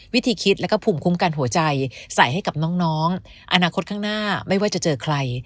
วิธีคิดแล้วก็ภูมิคุ้มกันหัวใจใส่ให้กับน้องอนาคตข้างหน้าไม่ว่าจะเจอใคร